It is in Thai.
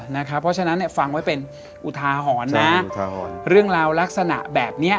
เพราะฉะนั้นฟังไว้เป็นอุทาหรณ์นะเรื่องราวลักษณะแบบนี้